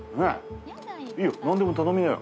何でも頼みなよ。